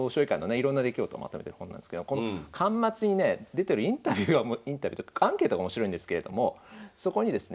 いろんな出来事まとめてる本なんですけどこの巻末にね出てるインタビューがアンケートが面白いんですけれどもそこにですね